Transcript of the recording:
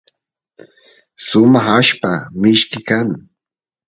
sumaq allpa mishki kan